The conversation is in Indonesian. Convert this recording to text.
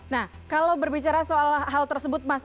nah kalau berbicara soal hal tersebut mas